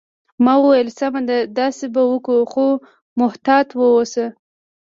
ما وویل: سمه ده، داسې به کوو، خو محتاط اوسه.